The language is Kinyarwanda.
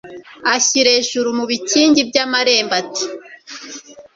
Ashyira ejuru ari mu bikingi byamarembo ati